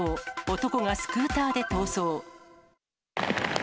男がスクーターで逃走。